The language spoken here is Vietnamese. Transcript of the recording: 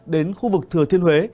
đến khu vực thừa thiên huế